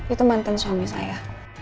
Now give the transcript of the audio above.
itu mantan suami saya